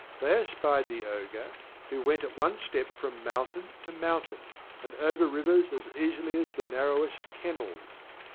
They espied the Ogre, who went at one step from mountain to mountain, and over rivers as easily as the narrowest kennels.